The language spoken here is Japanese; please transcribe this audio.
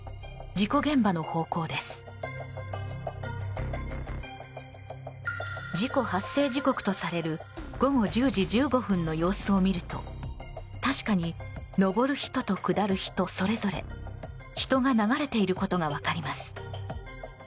事故発生時刻とされる午後１０時１５分の様子を見ると確かに、上る人と下る人それぞれ人が流れていることが分かります。